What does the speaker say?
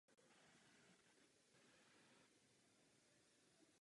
Pravidelný řez je vhodný.